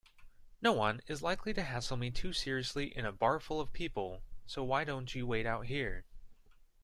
Noone is likely to hassle me too seriously in a bar full of people, so why don't you wait out here?